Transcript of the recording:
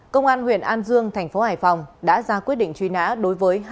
công an huyện an dương tp hải phòng đã ra quyết định truy nã đối với